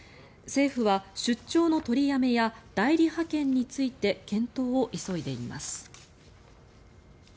政府は出張の取りやめや代理派遣について検討を急いでいます。